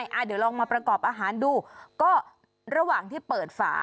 เดี๋ยวลองมาประกอบอาหารดูก็ระหว่างที่เปิดฝา